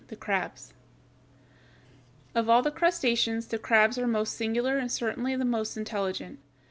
THE CRABS Of all the crustaceans, the crabs are the most singular and certainly the most intelligent.